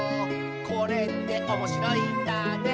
「これっておもしろいんだね」